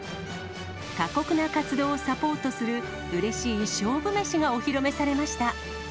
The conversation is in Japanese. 過酷な活動をサポートするうれしい勝負メシがお披露目されました。